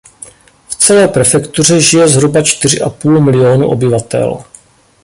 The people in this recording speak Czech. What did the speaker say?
V celé prefektuře žije zhruba čtyři a půl miliónu obyvatel.